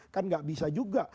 kan tidak bisa juga